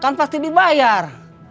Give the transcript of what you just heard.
kan pasti dibayar